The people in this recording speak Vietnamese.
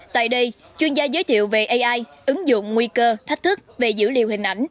tại đây chuyên gia giới thiệu về ai ứng dụng nguy cơ thách thức về dữ liệu hình ảnh